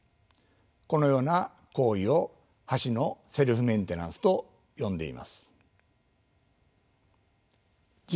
このような行為を橋のセルフメンテナンスと呼んでいます。